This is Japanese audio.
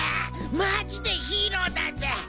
マジでヒーローだぜ！！